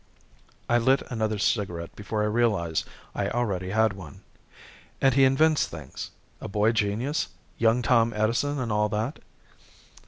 I lit another cigarette before I realized I already had one. "And he invents things? A boy genius? Young Tom Edison and all that?"